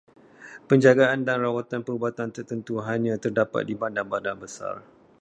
Penjagaan dan rawatan perubatan tertentu hanya terdapat di bandar-bandar besar.